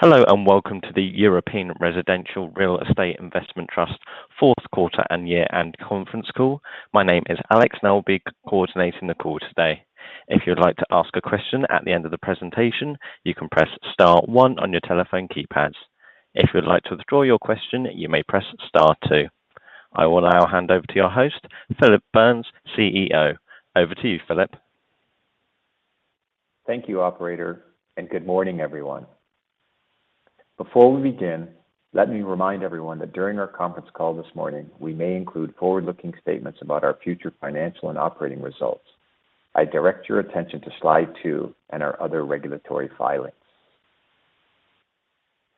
Hello, and welcome to the European Residential Real Estate Investment Trust fourth quarter and year-end conference call. My name is Alex, and I will be coordinating the call today. If you'd like to ask a question at the end of the presentation, you can press star one on your telephone keypads. If you'd like to withdraw your question, you may press star two. I will now hand over to your host, Phillip Burns, CEO. Over to you, Phillip. Thank you, operator, and good morning, everyone. Before we begin, let me remind everyone that during our conference call this morning, we may include forward-looking statements about our future financial and operating results. I direct your attention to Slide 2 and our other regulatory filings.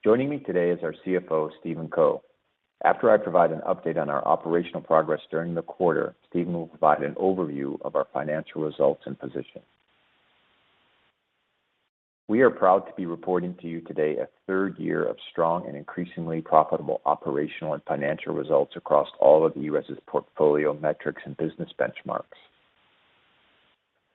Joining me today is our CFO, Stephen Koh. After I provide an update on our operational progress during the quarter, Stephen will provide an overview of our financial results and position. We are proud to be reporting to you today a third year of strong and increasingly profitable operational and financial results across all of ERES' portfolio metrics and business benchmarks.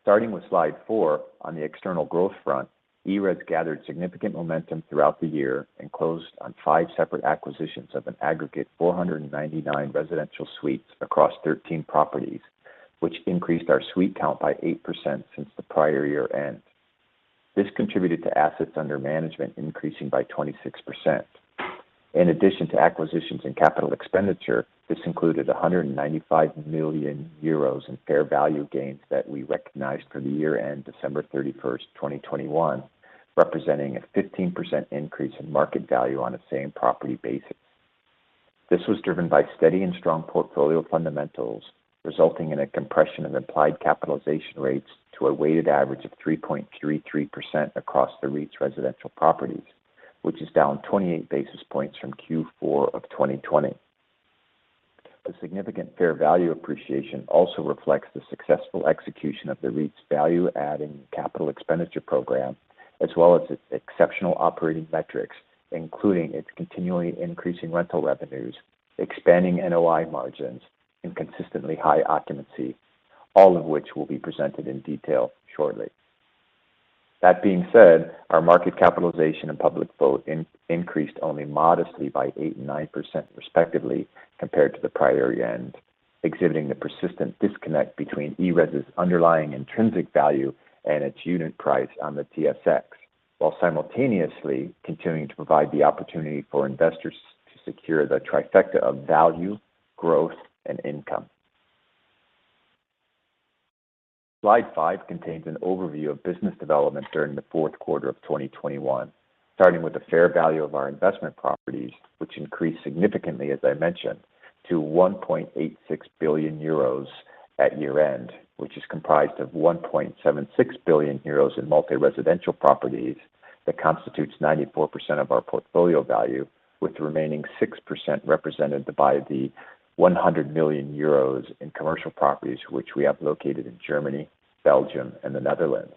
Starting with Slide 4, on the external growth front, ERES gathered significant momentum throughout the year and closed on five separate acquisitions of an aggregate 499 residential suites across 13 properties, which increased our suite count by 8% since the prior year-end. This contributed to assets under management increasing by 26%. In addition to acquisitions and capital expenditure, this included 195 million euros in fair value gains that we recognized for the year-end December 31, 2021, representing a 15% increase in market value on a same property basis. This was driven by steady and strong portfolio fundamentals, resulting in a compression of implied capitalization rates to a weighted average of 3.33% across the REIT's residential properties, which is down 28 basis points from Q4 of 2020. A significant fair value appreciation also reflects the successful execution of the REIT's value-adding capital expenditure program, as well as its exceptional operating metrics, including its continually increasing rental revenues, expanding NOI margins, and consistently high occupancy, all of which will be presented in detail shortly. That being said, our market capitalization and public float increased only modestly by 8% and 9% respectively compared to the prior year-end, exhibiting the persistent disconnect between ERES' underlying intrinsic value and its unit price on the TSX, while simultaneously continuing to provide the opportunity for investors to secure the trifecta of value, growth, and income. Slide 5 contains an overview of business development during the fourth quarter of 2021, starting with the fair value of our investment properties, which increased significantly, as I mentioned, to 1.86 billion euros at year-end, which is comprised of 1.76 billion euros in multi-residential properties that constitutes 94% of our portfolio value, with the remaining 6% represented by the 100 million euros in commercial properties, which we have located in Germany, Belgium, and the Netherlands.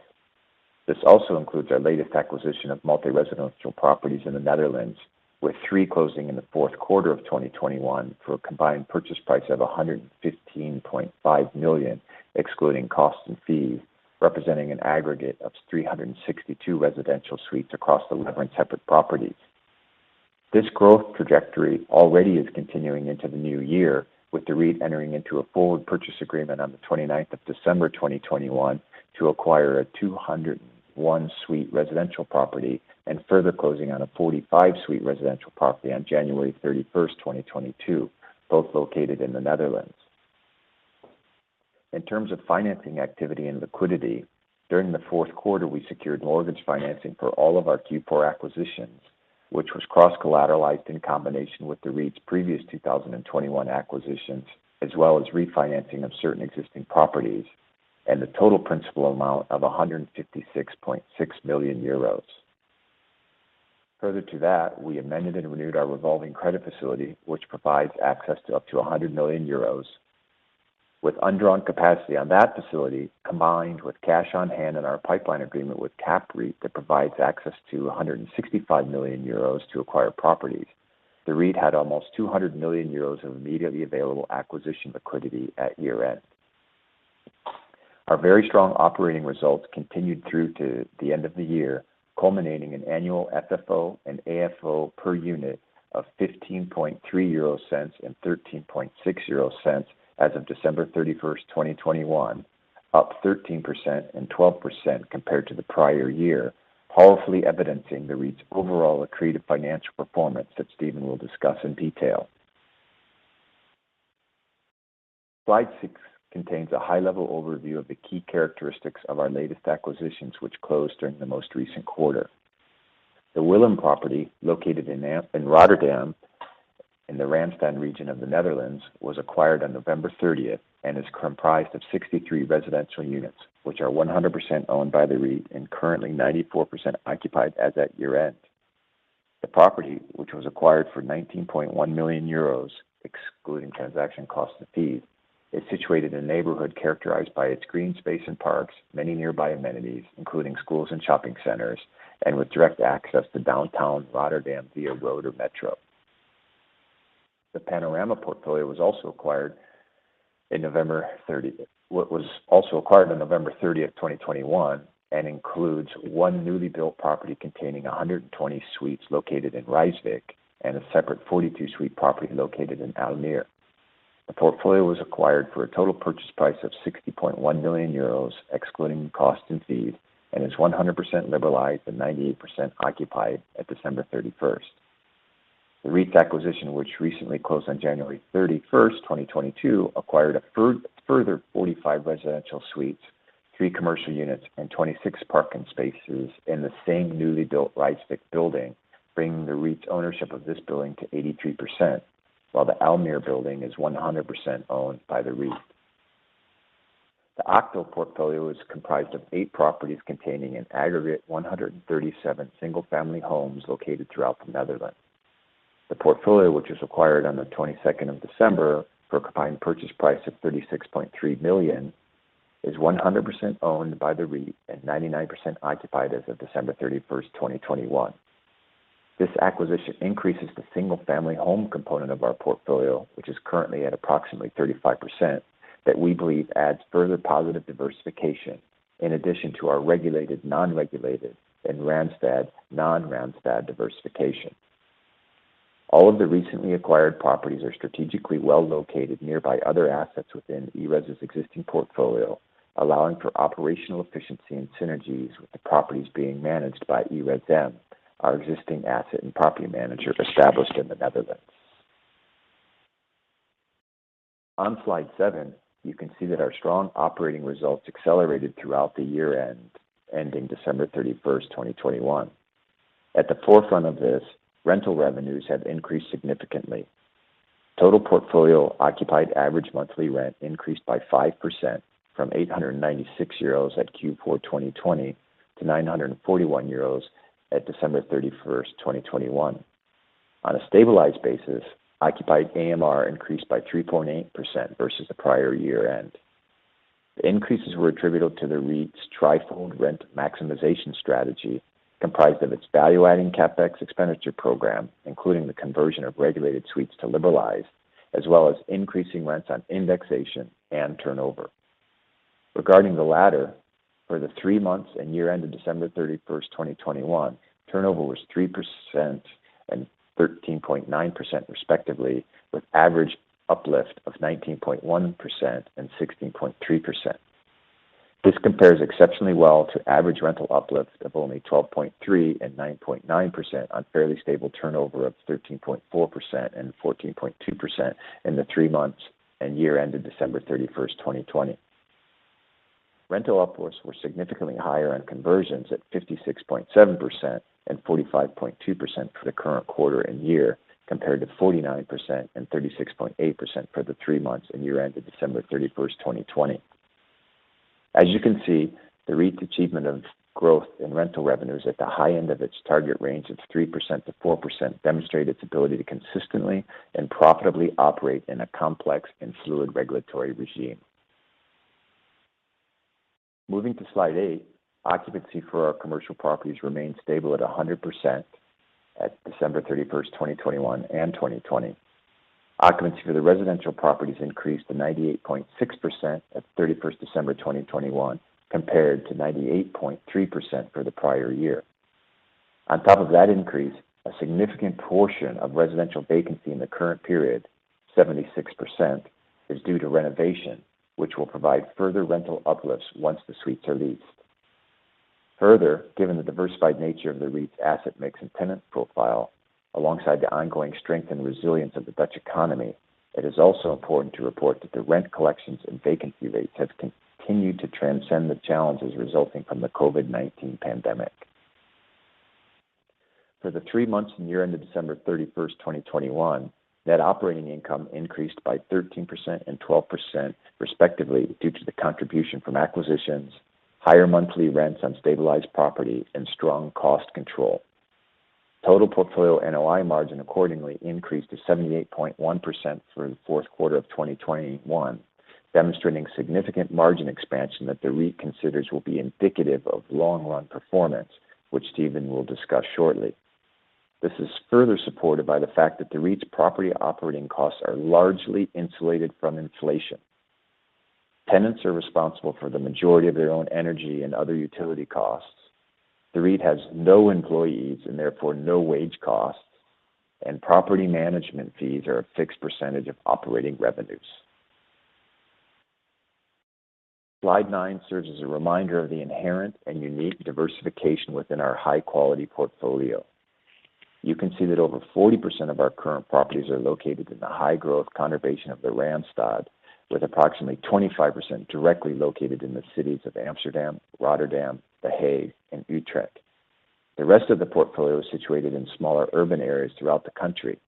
This also includes our latest acquisition of multi-residential properties in the Netherlands, with three closing in the fourth quarter of 2021 for a combined purchase price of 115.5 million, excluding costs and fees, representing an aggregate of 362 residential suites across 11 separate properties. This growth trajectory already is continuing into the new year, with the REIT entering into a forward purchase agreement on the December 29, 2021 to acquire a 201-suite residential property and further closing on a 45-suite residential property on January 31, 2022, both located in the Netherlands. In terms of financing activity and liquidity, during the fourth quarter, we secured mortgage financing for all of our Q4 acquisitions, which was cross-collateralized in combination with the REIT's previous 2021 acquisitions, as well as refinancing of certain existing properties, and a total principal amount of 156.6 million euros. Further to that, we amended and renewed our revolving credit facility, which provides access to up to 100 million euros. With undrawn capacity on that facility, combined with cash on hand in our pipeline agreement with CAPREIT that provides access to 165 million euros to acquire properties, the REIT had almost 200 million euros of immediately available acquisition liquidity at year-end. Our very strong operating results continued through to the end of the year, culminating in annual FFO and AFFO per unit of 0.153 and 0.136 as of December 31, 2021, up 13% and 12% compared to the prior year, powerfully evidencing the REIT's overall accretive financial performance that Stephen will discuss in detail. Slide 6 contains a high-level overview of the key characteristics of our latest acquisitions, which closed during the most recent quarter. The Willem property, located in Ommoord in Rotterdam in the Randstad region of the Netherlands, was acquired on November 30 and is comprised of 63 residential units, which are 100% owned by the REIT and currently 94% occupied as at year-end. The property, which was acquired for 19.1 million euros, excluding transaction costs and fees, is situated in a neighborhood characterized by its green space and parks, many nearby amenities, including schools and shopping centers, and with direct access to downtown Rotterdam via road or metro. The Panorama portfolio was also acquired on November 30, 2021, and includes one newly built property containing 120 suites located in Rijswijk and a separate 42-suite property located in Almere. The portfolio was acquired for a total purchase price of 60.1 million euros, excluding costs and fees, and is 100% liberalized and 98% occupied at December 31st. The REIT's acquisition, which recently closed on January 31st, 2022, acquired a further 45 residential suites, three commercial units, and 26 parking spaces in the same newly built Rijswijk building, bringing the REIT's ownership of this building to 83%, while the Almere building is 100% owned by the REIT. The Octo portfolio is comprised of eight properties containing an aggregate 137 single-family homes located throughout the Netherlands. The portfolio, which was acquired on the 22nd of December for a combined purchase price of 36.3 million, is 100% owned by the REIT and 99% occupied as of December 31st, 2021. This acquisition increases the single-family home component of our portfolio, which is currently at approximately 35%, that we believe adds further positive diversification in addition to our regulated, non-regulated, and Randstad, non-Randstad diversification. All of the recently acquired properties are strategically well located nearby other assets within ERES's existing portfolio, allowing for operational efficiency and synergies with the properties being managed by ERESM, our existing asset and property manager established in the Netherlands. On Slide 7, you can see that our strong operating results accelerated throughout the year-ending December 31, 2021. At the forefront of this, rental revenues have increased significantly. Total portfolio occupied average monthly rent increased by 5% from 896 euros at Q4 2020 to 941 euros at December 31, 2021. On a stabilized basis, occupied AMR increased by 3.8% versus the prior year-end. The increases were attributable to the REIT's tri-fold rent maximization strategy, comprised of its value-adding CapEx expenditure program, including the conversion of regulated suites to liberalized, as well as increasing rents on indexation and turnover. Regarding the latter, for the three months and year end of December 31, 2021, turnover was 3% and 13.9% respectively, with average uplift of 19.1% and 16.3%. This compares exceptionally well to average rental uplifts of only 12.3% and 9.9% on fairly stable turnover of 13.4% and 14.2% in the three months and year end of December 31, 2020. Rental uplifts were significantly higher on conversions at 56.7% and 45.2% for the current quarter and year, compared to 49% and 36.8% for the three months and year-end of December 31, 2020. As you can see, the REIT's achievement of growth in rental revenues at the high end of its target range of 3%-4% demonstrate its ability to consistently and profitably operate in a complex and fluid regulatory regime. Moving to Slide 8, occupancy for our commercial properties remained stable at 100% at December 31, 2021 and 2020. Occupancy for the residential properties increased to 98.6% at December 31, 2021, compared to 98.3% for the prior year. On top of that increase, a significant portion of residential vacancy in the current period, 76% is due to renovation, which will provide further rental uplifts once the suites are leased. Further, given the diversified nature of the REIT's asset mix and tenant profile, alongside the ongoing strength and resilience of the Dutch economy, it is also important to report that the rent collections and vacancy rates have continued to transcend the challenges resulting from the COVID-19 pandemic. For the three months and year end of December 31, 2021, net operating income increased by 13% and 12% respectively due to the contribution from acquisitions, higher monthly rents on stabilized property, and strong cost control. Total portfolio NOI margin accordingly increased to 78.1% through the fourth quarter of 2021, demonstrating significant margin expansion that the REIT considers will be indicative of long-run performance, which Stephen will discuss shortly. This is further supported by the fact that the REIT's property operating costs are largely insulated from inflation. Tenants are responsible for the majority of their own energy and other utility costs. The REIT has no employees, and therefore no wage costs, and property management fees are a fixed percentage of operating revenues. Slide 9 serves as a reminder of the inherent and unique diversification within our high-quality portfolio. You can see that over 40% of our current properties are located in the high-growth conurbation of the Randstad, with approximately 25% directly located in the cities of Amsterdam, Rotterdam, The Hague, and Utrecht. The rest of the portfolio is situated in smaller urban areas throughout the country.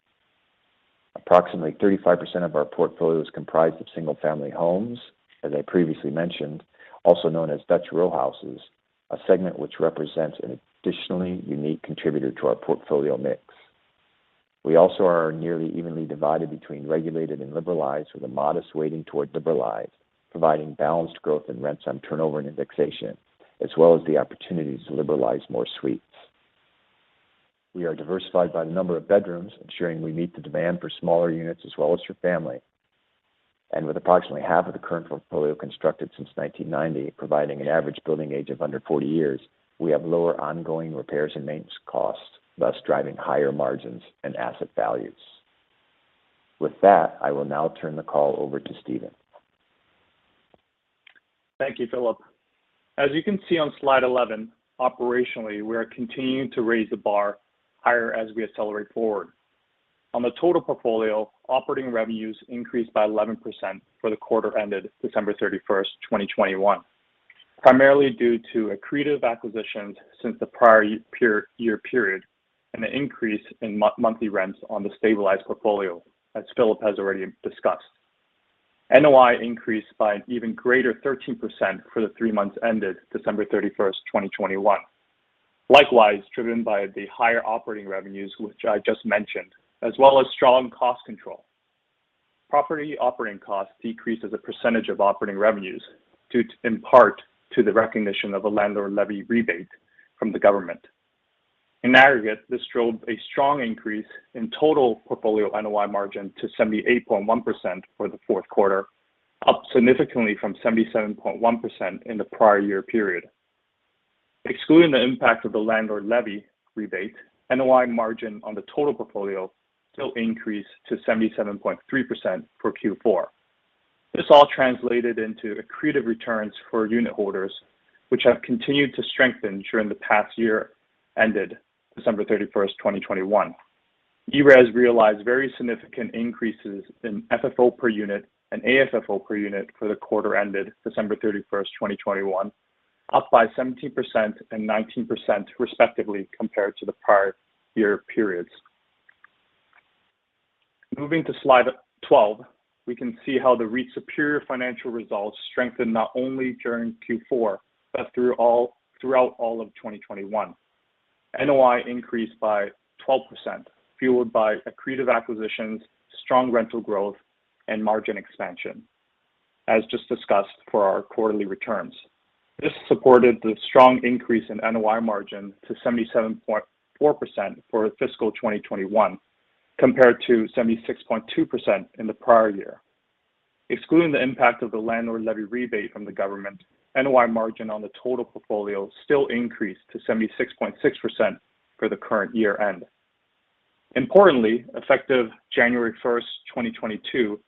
Approximately 35% of our portfolio is comprised of single-family homes, as I previously mentioned, also known as Dutch row houses, a segment which represents an additionally unique contributor to our portfolio mix. We also are nearly evenly divided between regulated and liberalized, with a modest weighting toward liberalized, providing balanced growth in rents on turnover and indexation, as well as the opportunities to liberalize more suites. We are diversified by the number of bedrooms, ensuring we meet the demand for smaller units as well as for family. With approximately half of the current portfolio constructed since 1990 providing an average building age of under 40 years, we have lower ongoing repairs and maintenance costs, thus driving higher margins and asset values. With that, I will now turn the call over to Stephen. Thank you, Phillip. As you can see on Slide 11, operationally, we are continuing to raise the bar higher as we accelerate forward. On the total portfolio, operating revenues increased by 11% for the quarter ended December 31, 2021, primarily due to accretive acquisitions since the prior year period and the increase in monthly rents on the stabilized portfolio, as Phillip has already discussed. NOI increased by an even greater 13% for the three months ended December 31, 2021. Likewise, driven by the higher operating revenues, which I just mentioned, as well as strong cost control, property operating costs decreased as a percentage of operating revenues due in part to the recognition of a landlord levy rebate from the government. In aggregate, this drove a strong increase in total portfolio NOI margin to 78.1% for the fourth quarter, up significantly from 77.1% in the prior year period. Excluding the impact of the landlord levy rebate, NOI margin on the total portfolio still increased to 77.3% for Q4. This all translated into accretive returns for unitholders, which have continued to strengthen during the past year ended December 31, 2021. ERES realized very significant increases in FFO per unit and AFFO per unit for the quarter ended December 31, 2021, up by 17% and 19% respectively compared to the prior year periods. Moving to Slide 12, we can see how the REIT's superior financial results strengthened not only during Q4 but throughout all of 2021. NOI increased by 12%, fueled by accretive acquisitions, strong rental growth and margin expansion, as just discussed for our quarterly returns. This supported the strong increase in NOI margin to 77.4% for fiscal 2021 compared to 76.2% in the prior year. Excluding the impact of the landlord levy rebate from the government, NOI margin on the total portfolio still increased to 76.6% for the current year end. Importantly, effective January 1, 2022,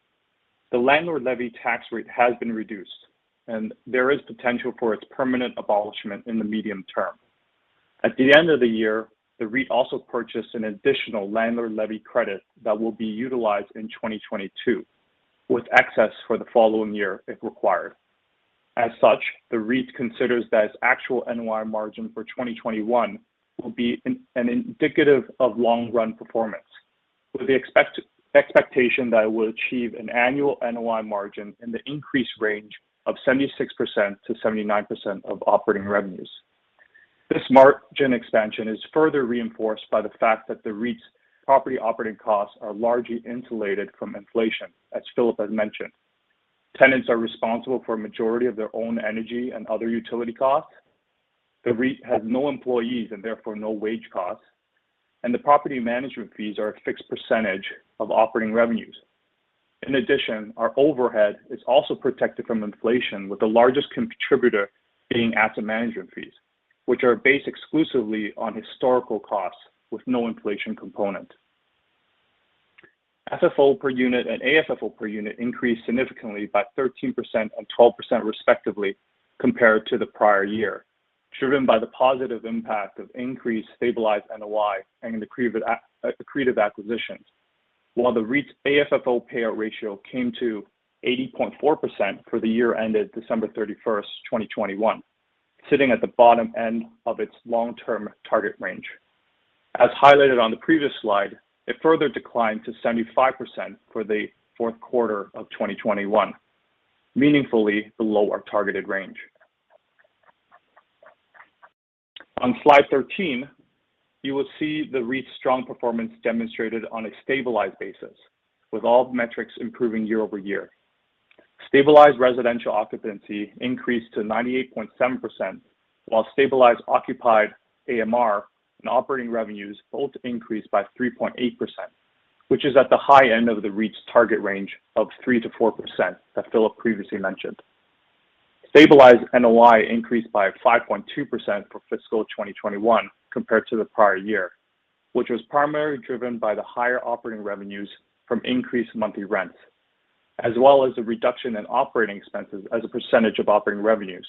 the landlord levy tax rate has been reduced, and there is potential for its permanent abolishment in the medium term. At the end of the year, the REIT also purchased an additional landlord levy credit that will be utilized in 2022 with excess for the following year if required. As such, the REIT considers that its actual NOI margin for 2021 will be an indicator of long-run performance with the expectation that it will achieve an annual NOI margin in the increased range of 76%-79% of operating revenues. This margin expansion is further reinforced by the fact that the REIT's property operating costs are largely insulated from inflation, as Phillip has mentioned. Tenants are responsible for a majority of their own energy and other utility costs. The REIT has no employees and therefore no wage costs, and the property management fees are a fixed percentage of operating revenues. In addition, our overhead is also protected from inflation, with the largest contributor being asset management fees, which are based exclusively on historical costs with no inflation component. FFO per unit and AFFO per unit increased significantly by 13% and 12% respectively compared to the prior year, driven by the positive impact of increased stabilized NOI and accretive acquisitions. While the REIT's AFFO payout ratio came to 80.4% for the year ended December 31, 2021, sitting at the bottom end of its long-term target range. As highlighted on the previous Slide, it further declined to 75% for the fourth quarter of 2021, meaningfully below our targeted range. On Slide 13, you will see the REIT's strong performance demonstrated on a stabilized basis with all metrics improving year-over-year. Stabilized residential occupancy increased to 98.7% while stabilized occupied AMR and operating revenues both increased by 3.8%, which is at the high end of the REIT's target range of 3%-4% that Phillip previously mentioned. Stabilized NOI increased by 5.2% for fiscal 2021 compared to the prior year, which was primarily driven by the higher operating revenues from increased monthly rents, as well as a reduction in operating expenses as a percentage of operating revenues,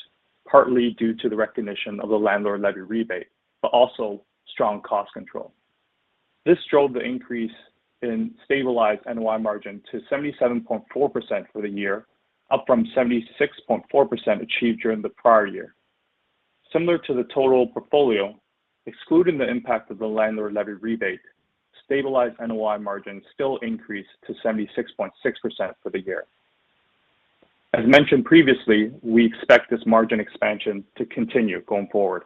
partly due to the recognition of the landlord levy rebate, but also strong cost control. This drove the increase in stabilized NOI margin to 77.4% for the year, up from 76.4% achieved during the prior year. Similar to the total portfolio, excluding the impact of the landlord levy rebate, stabilized NOI margin still increased to 76.6% for the year. As mentioned previously, we expect this margin expansion to continue going forward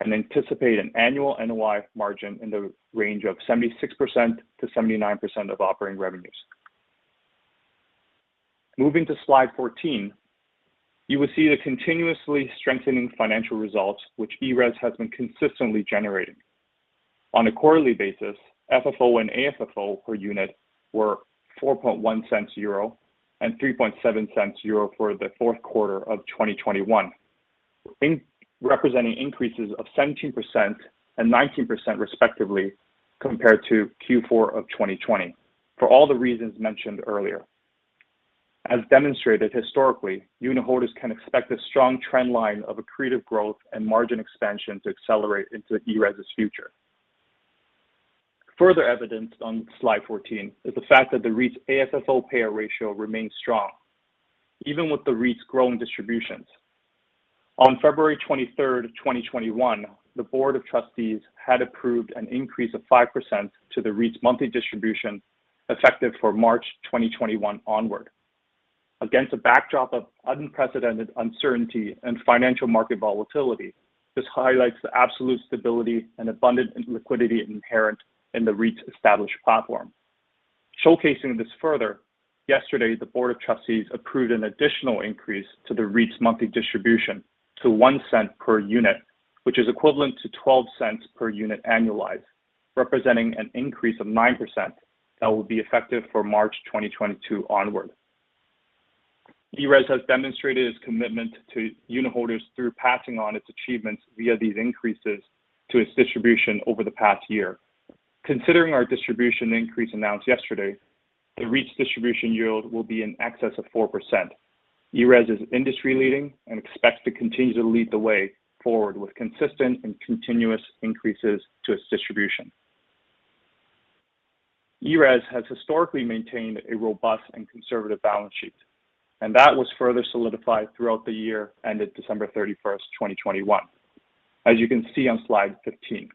and anticipate an annual NOI margin in the range of 76%-79% of operating revenues. Moving to Slide 14, you will see the continuously strengthening financial results which ERES has been consistently generating. On a quarterly basis, FFO and AFFO per unit were 0.041 and 0.037 for the fourth quarter of 2021, representing increases of 17% and 19% respectively compared to Q4 of 2020, for all the reasons mentioned earlier. As demonstrated historically, unitholders can expect a strong trend line of accretive growth and margin expansion to accelerate into ERES's future. Further evidence on Slide 14 is the fact that the REIT's AFFO payout ratio remains strong even with the REIT's growing distributions. On February 23, 2021, the board of trustees had approved an increase of 5% to the REIT's monthly distribution effective for March 2021 onward. Against a backdrop of unprecedented uncertainty and financial market volatility, this highlights the absolute stability and abundant liquidity inherent in the REIT's established platform. Showcasing this further, yesterday the board of trustees approved an additional increase to the REIT's monthly distribution to 0.01 per unit, which is equivalent to 0.12 per unit annualized, representing an increase of 9% that will be effective for March 2022 onward. ERES has demonstrated its commitment to unitholders through passing on its achievements via these increases to its distribution over the past year. Considering our distribution increase announced yesterday, the REIT's distribution yield will be in excess of 4%. ERES is industry-leading and expects to continue to lead the way forward with consistent and continuous increases to its distribution. ERES has historically maintained a robust and conservative balance sheet, and that was further solidified throughout the year ended December 31, 2021, as you can see on Slide 15.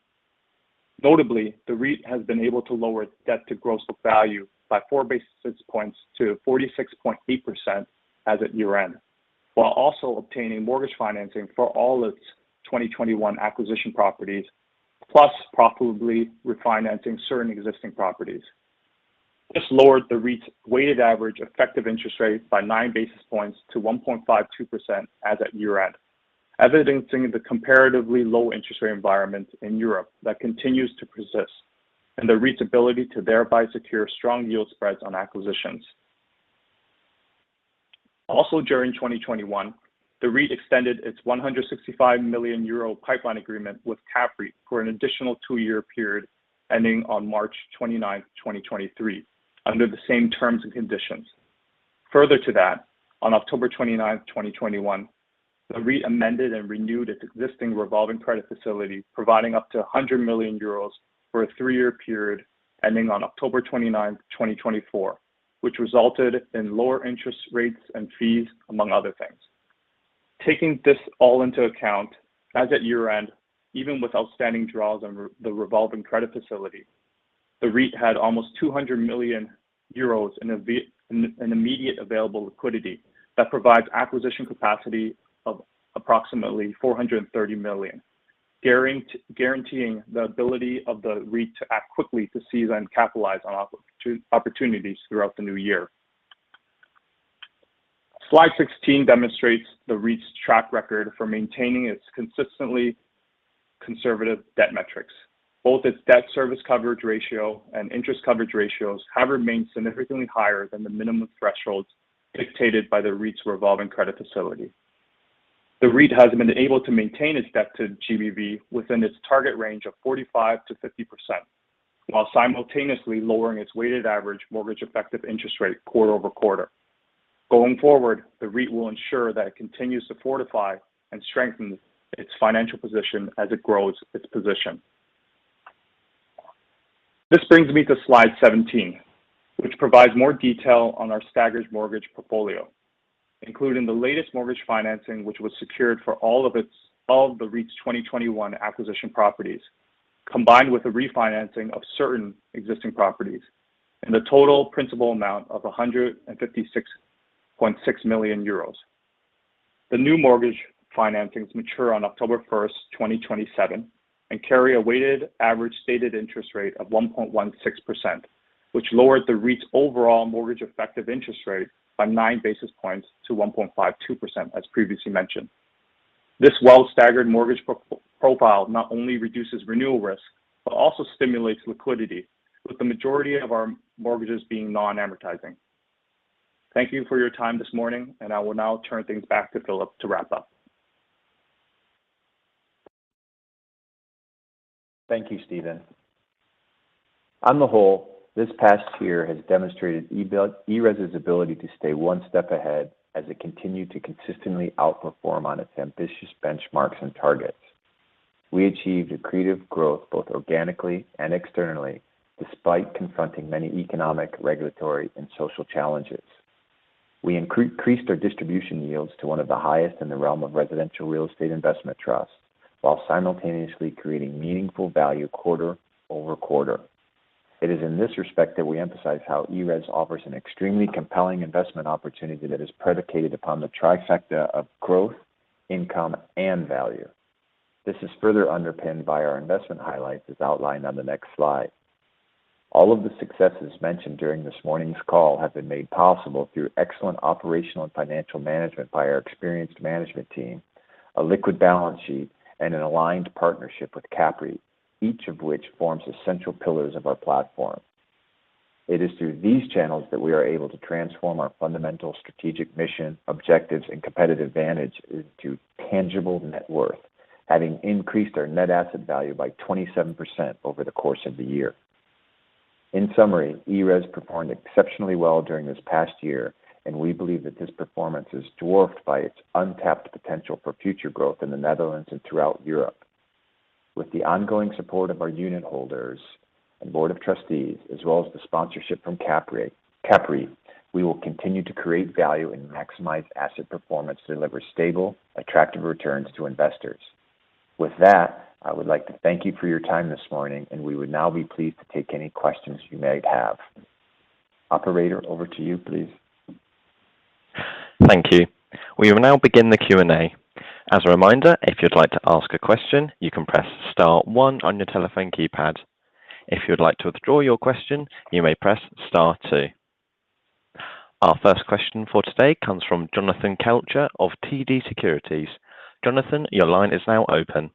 Notably, the REIT has been able to lower debt to gross book value by 4 basis points to 46.8% as at year-end, while also obtaining mortgage financing for all its 2021 acquisition properties, plus profitably refinancing certain existing properties. This lowered the REIT's weighted average effective interest rate by 9 basis points to 1.52% as at year-end, evidencing the comparatively low interest rate environment in Europe that continues to persist and the REIT's ability to thereby secure strong yield spreads on acquisitions. Also during 2021, the REIT extended its 165 million euro pipeline agreement with CAPREIT for an additional two-year period ending on March 29, 2023, under the same terms and conditions. Further to that, on October 29, 2021, the REIT amended and renewed its existing revolving credit facility, providing up to 100 million euros for a three-year period ending on October 29, 2024, which resulted in lower interest rates and fees, among other things. Taking this all into account, as at year-end, even with outstanding draws on the revolving credit facility, the REIT had almost 200 million euros in immediate available liquidity that provides acquisition capacity of approximately 430 million, guaranteeing the ability of the REIT to act quickly to seize and capitalize on opportunities throughout the new year. Slide 16 demonstrates the REIT's track record for maintaining its consistently conservative debt metrics. Both its debt service coverage ratio and interest coverage ratios have remained significantly higher than the minimum thresholds dictated by the REIT's revolving credit facility. The REIT has been able to maintain its debt to GBV within its target range of 45%-50% while simultaneously lowering its weighted average mortgage effective interest rate quarter-over-quarter. Going forward, the REIT will ensure that it continues to fortify and strengthen its financial position as it grows its position. This brings me to Slide 17, which provides more detail on our staggered mortgage portfolio, including the latest mortgage financing which was secured for all of the REIT's 2021 acquisition properties, combined with the refinancing of certain existing properties in the total principal amount of 156.6 million euros. The new mortgage financings mature on October 1, 2027, and carry a weighted average stated interest rate of 1.16%, which lowered the REIT's overall mortgage effective interest rate by 9 basis points to 1.52%, as previously mentioned. This well-staggered mortgage profile not only reduces renewal risk, but also stimulates liquidity, with the majority of our mortgages being non-amortizing. Thank you for your time this morning, and I will now turn things back to Phillip to wrap up. Thank you, Stephen. On the whole, this past year has demonstrated ERES' ability to stay one step ahead as it continued to consistently outperform on its ambitious benchmarks and targets. We achieved accretive growth both organically and externally despite confronting many economic, regulatory, and social challenges. We increased our distribution yields to one of the highest in the realm of residential real estate investment trusts while simultaneously creating meaningful value quarter over quarter. It is in this respect that we emphasize how ERES offers an extremely compelling investment opportunity that is predicated upon the trifecta of growth, income, and value. This is further underpinned by our investment highlights as outlined on the next slide. All of the successes mentioned during this morning's call have been made possible through excellent operational and financial management by our experienced management team, a liquid balance sheet, and an aligned partnership with CAPREIT, each of which forms essential pillars of our platform. It is through these channels that we are able to transform our fundamental strategic mission, objectives, and competitive advantage into tangible net worth, having increased our net asset value by 27% over the course of the year. In summary, ERES performed exceptionally well during this past year, and we believe that this performance is dwarfed by its untapped potential for future growth in the Netherlands and throughout Europe. With the ongoing support of our unitholders and board of trustees, as well as the sponsorship from CAPREIT, we will continue to create value and maximize asset performance to deliver stable, attractive returns to investors. With that, I would like to thank you for your time this morning, and we would now be pleased to take any questions you may have. Operator, over to you, please. Thank you. We will now begin the Q&A. As a reminder, if you'd like to ask a question, you can press star one on your telephone keypad. If you'd like to withdraw your question, you may press star two. Our first question for today comes from Jonathan Kelcher of TD Securities. Jonathan, your line is now open.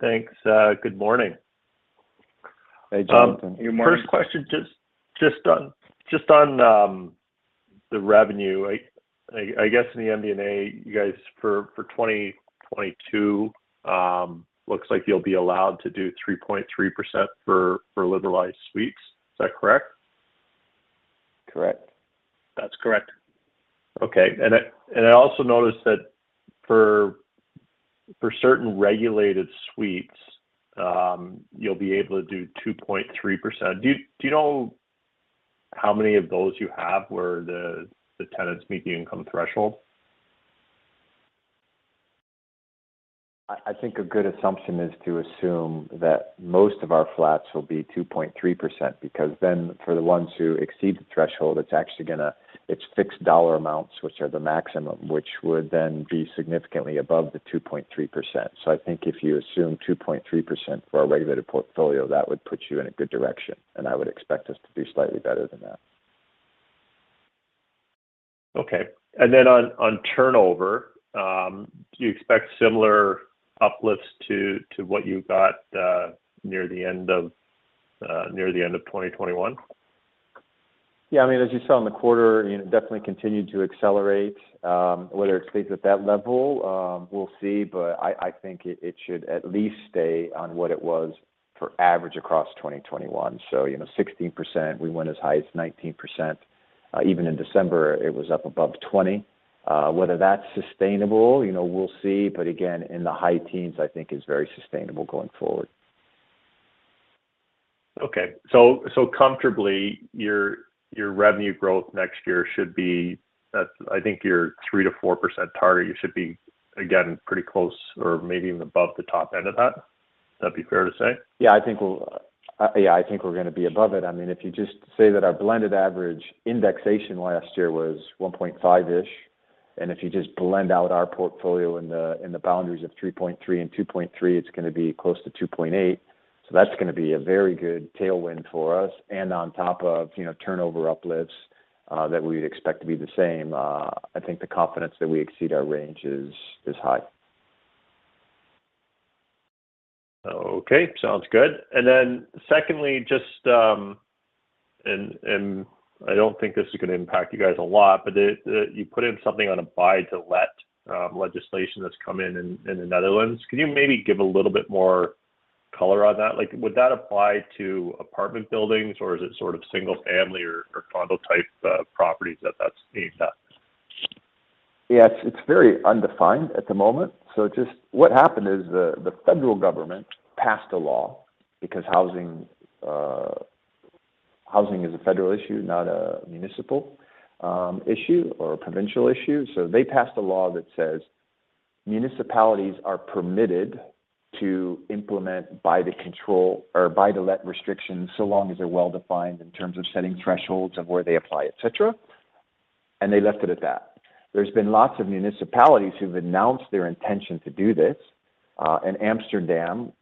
Thanks. Good morning. Hey, Jonathan. Good morning. First question, just on the revenue. I guess in the MD&A, you guys for 2022, looks like you'll be allowed to do 3.3% for liberalized suites. Is that correct? Correct. That's correct. Okay. I also noticed that for certain regulated suites, you'll be able to do 2.3%. Do you know how many of those you have where the tenants meet the income threshold? I think a good assumption is to assume that most of our flats will be 2.3% because then for the ones who exceed the threshold, it's fixed dollar amounts, which are the maximum, which would then be significantly above the 2.3%. I think if you assume 2.3% for our regulated portfolio, that would put you in a good direction, and I would expect us to do slightly better than that. Okay. On turnover, do you expect similar uplifts to what you got near the end of 2021? Yeah. I mean, as you saw in the quarter, you know, definitely continued to accelerate. Whether it stays at that level, we'll see. I think it should at least stay on what it was for average across 2021. You know, 16%. We went as high as 19%. Even in December, it was up above 20%. Whether that's sustainable, you know, we'll see. Again, in the high teens, I think is very sustainable going forward. Comfortably, your revenue growth next year should be at, I think, your 3%-4% target. You should be, again, pretty close or maybe even above the top end of that. Would that be fair to say? I think we're going to be above it. I mean, if you just say that our blended average indexation last year was 1.5%-ish, and if you just blend out our portfolio in the boundaries of 3.3% and 2.3%, it's going to be close to 2.8%. That's going to be a very good tailwind for us. On top of, you know, turnover uplifts that we'd expect to be the same, I think the confidence that we exceed our range is high. Okay. Sounds good. Secondly, just, I don't think this is going to impact you guys a lot, but you put in something on a buy-to-let legislation that's come in in the Netherlands. Can you maybe give a little bit more color on that? Like, would that apply to apartment buildings, or is it sort of single-family or condo-type properties that that's aimed at? Yeah. It's very undefined at the moment. Just what happened is the federal government passed a law because housing is a federal issue, not a municipal issue or a provincial issue. They passed a law that says municipalities are permitted to buy-to-let control or buy-to-let restrictions, so long as they're well-defined in terms of setting thresholds of where they apply, et cetera. They left it at that. There's been lots of municipalities who've announced their intention to do this. Amsterdam,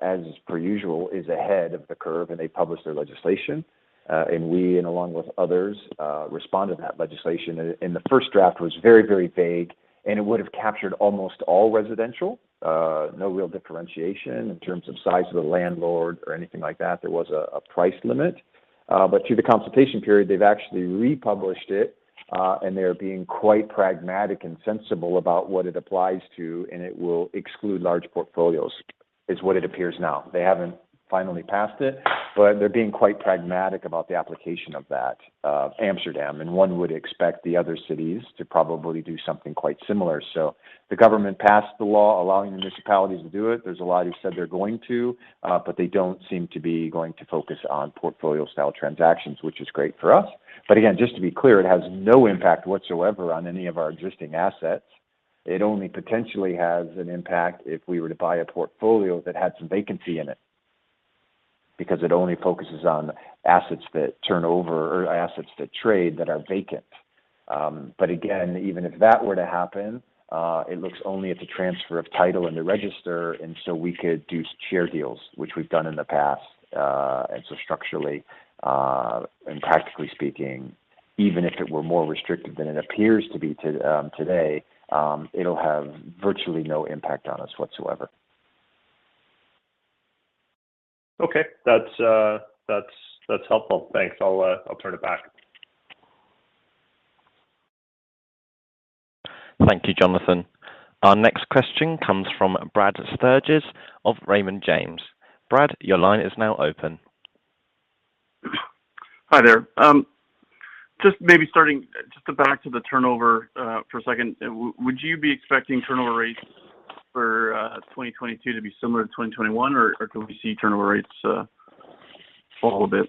as per usual, is ahead of the curve, and they published their legislation. We, along with others, responded to that legislation. The first draft was very, very vague, and it would have captured almost all residential, no real differentiation in terms of size of the landlord or anything like that. There was a price limit. But through the consultation period, they've actually republished it, and they're being quite pragmatic and sensible about what it applies to, and it will exclude large portfolios, is what it appears now. They haven't finally passed it, but they're being quite pragmatic about the application of that, Amsterdam. One would expect the other cities to probably do something quite similar. The government passed the law allowing the municipalities to do it. There's a lot who said they're going to, but they don't seem to be going to focus on portfolio-style transactions, which is great for us. Again, just to be clear, it has no impact whatsoever on any of our existing assets. It only potentially has an impact if we were to buy a portfolio that had some vacancy in it. Because it only focuses on assets that turn over or assets that trade that are vacant. Even if that were to happen, it looks only at the transfer of title in the register, and so we could do share deals, which we've done in the past. And so structurally, and practically speaking, even if it were more restrictive than it appears to be today, it'll have virtually no impact on us whatsoever. Okay. That's helpful. Thanks. I'll turn it back. Thank you, Jonathan. Our next question comes from Brad Sturges of Raymond James. Brad, your line is now open. Hi there. Just maybe starting back to the turnover for a second. Would you be expecting turnover rates for 2022 to be similar to 2021, or could we see turnover rates fall a bit?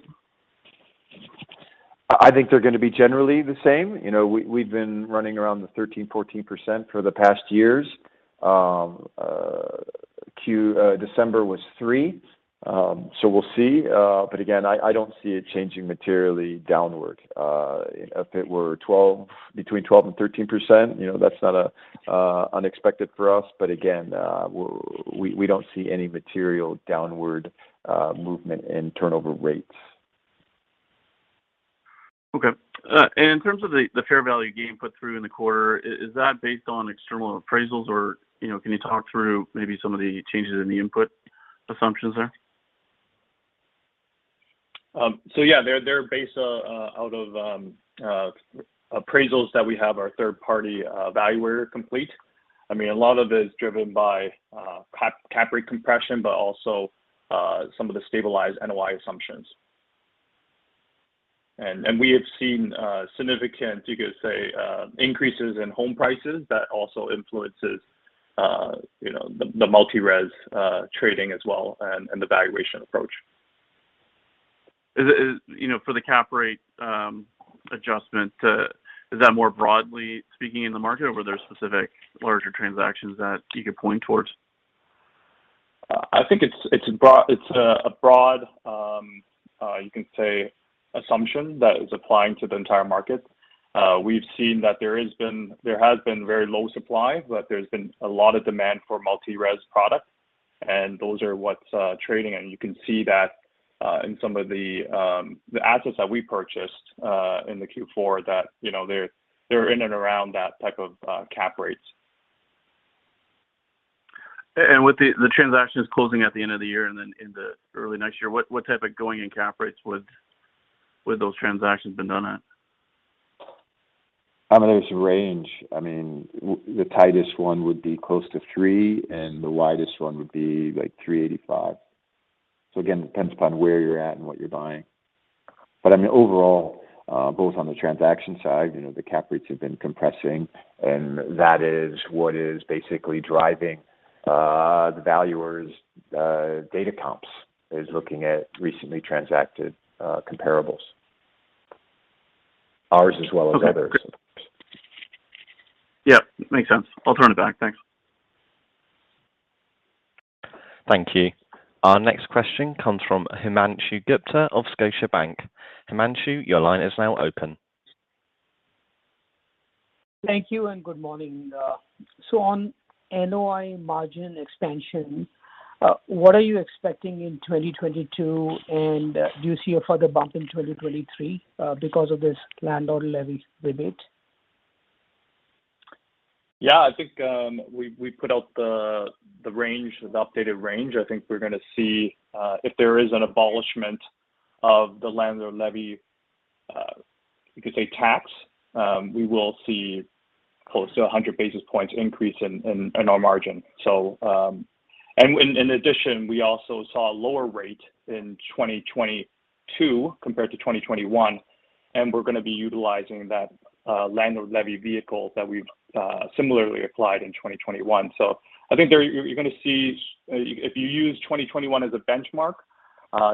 I think they're going to be generally the same. You know, we've been running around the 13%–14% for the past years. December was 3%, so we'll see. But again, I don't see it changing materially downward. If it were between 12% and 13%, you know, that's not unexpected for us. But again, we don't see any material downward movement in turnover rates. Okay. In terms of the fair value gain put through in the quarter, is that based on external appraisals, or, you know, can you talk through maybe some of the changes in the input assumptions there? Yeah, they're based out of appraisals that we have our third-party valuer complete. I mean, a lot of it is driven by cap rate compression, but also some of the stabilized NOI assumptions. We have seen significant, you could say, increases in home prices that also influences, you know, the multi-res trading as well and the valuation approach. You know, for the cap rate adjustment, is that more broadly speaking in the market or are there specific larger transactions that you could point towards? I think it's a broad, you can say assumption that is applying to the entire market. We've seen that there has been very low supply, but there's been a lot of demand for multi-res product, and those are what's trading. You can see that in some of the assets that we purchased in Q4 that, you know, they're in and around that type of cap rates. With the transactions closing at the end of the year and then in the early next year, what type of going-in cap rates would those transactions been done at? I mean, there's a range. I mean, the tightest one would be close to 3%, and the widest one would be like 3.85%. Again, depends upon where you're at and what you're buying. I mean, overall, both on the transaction side, you know, the cap rates have been compressing, and that is what is basically driving, the valuers' data comps, is looking at recently transacted, comparables. Ours as well as others. Okay. Great. Yeah, makes sense. I'll turn it back. Thanks. Thank you. Our next question comes from Himanshu Gupta of Scotiabank. Himanshu, your line is now open. Thank you and good morning. On NOI margin expansion, what are you expecting in 2022, and do you see a further bump in 2023, because of this landlord levy rebate? Yeah, I think we put out the range, the updated range. I think we're going to see if there is an abolishment of the landlord levy, you could say tax, we will see close to 100 basis points increase in our margin. In addition, we also saw a lower rate in 2022 compared to 2021, and we're going to be utilizing that landlord levy vehicle that we've similarly applied in 2021. I think there, you're going to see if you use 2021 as a benchmark,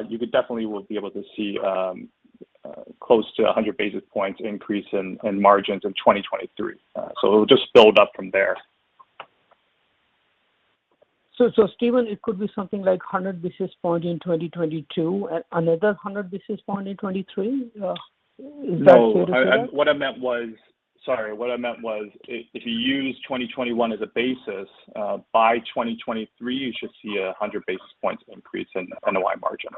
you could definitely will be able to see close to 100 basis points increase in margins in 2023. It will just build up from there. Stephen, it could be something like 100 basis points in 2022 and another 100 basis points in 2023? Is that fair to say? No. What I meant was if you use 2021 as a basis, by 2023 you should see 100 basis points increase in NOI margin.